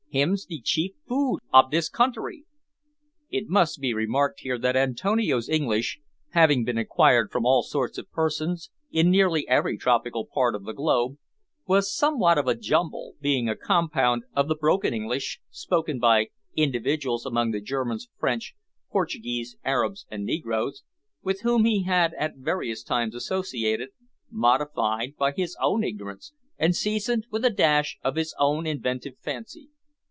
"Hims de cheef food ob dis konterie." It must be remarked here that Antonio's English, having been acquired from all sorts of persons, in nearly every tropical part of the globe, was somewhat of a jumble, being a compound of the broken English spoken by individuals among the Germans, French, Portuguese, Arabs, and Negroes, with whom he had at various times associated, modified by his own ignorance, and seasoned with a dash of his own inventive fancy.